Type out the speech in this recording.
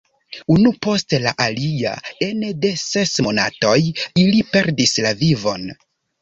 Unu post la alia, ene de ses monatoj, ili perdis la vivon.